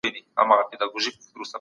د مېوو خوړل د انسان عمر زیاتوي.